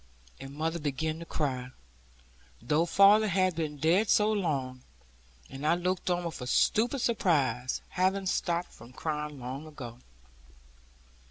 And mother began to cry, though father had been dead so long; and I looked on with a stupid surprise, having stopped from crying long ago.